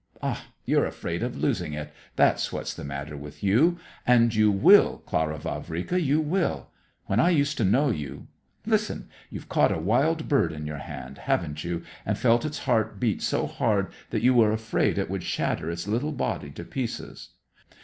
Ah, you're afraid of losing it; that's what's the matter with you! And you will, Clara Vavrika, you will! When I used to know you listen; you've caught a wild bird in your hand, haven't you, and felt its heart beat so hard that you were afraid it would shatter its little body to pieces?